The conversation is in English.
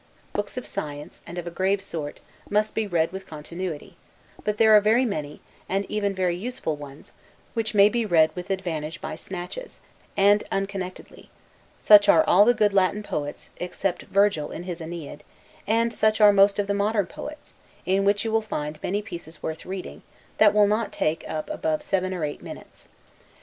Books of science, and of a grave sort, must be read with continuity; but there are very many, and even very useful ones, which may be read with advantage by snatches, and unconnectedly; such are all the good Latin poets, except Virgil in his "AEneid": and such are most of the modern poets, in which you will find many pieces worth reading, that will not take up above seven or eight minutes.